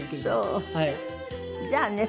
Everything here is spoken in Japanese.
じゃあね